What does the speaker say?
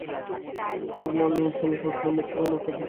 শোভনলাল চমকে উঠল, মুখে কোনো উত্তর এল না।